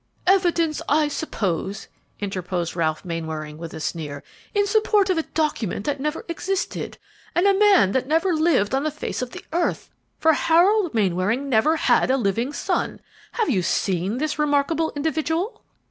"Evidence, I suppose," interposed Ralph Mainwaring, with a sneer, "in support of a document that never existed, and a man that never lived on the face of the earth; for Harold Mainwaring never had a living son. Have you seen this remarkable individual?"